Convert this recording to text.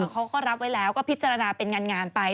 เขาก็รับไว้แล้วก็พิจารณาเป็นงานไป